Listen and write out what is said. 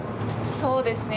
そうですね。